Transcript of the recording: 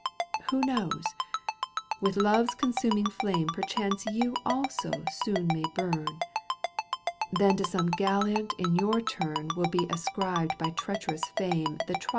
Who knows ? with love's consuming flame Perchance you also soon may bum. Then to some gallant in your turn Win be ascribed by treacherous Fame Digitized by CjOOQ 1С CANTO in.